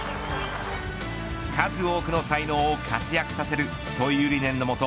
数多くの才能を活躍させるという理念のもと